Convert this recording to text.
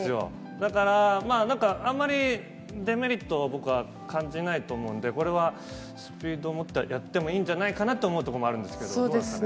だから、あんまりデメリットを僕は感じないと思うんで、これはスピードもってやってもいいんじゃないかなと思うところもあるんですけど、どうなんですかね？